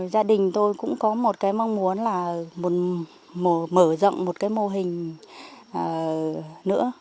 gia đình tôi cũng có một mong muốn là mở rộng một mô hình nữa